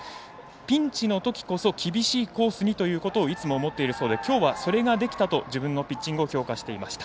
ピンチのときこそ厳しいコースにということをいつも思っているそうできょうはそれができたと自分のピッチングを評価していました。